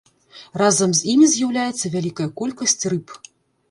Разам з імі з'яўляецца вялікая колькасць рыб.